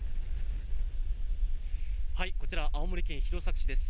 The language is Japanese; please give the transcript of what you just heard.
こちら、青森県弘前市です。